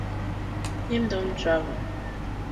Him don travel.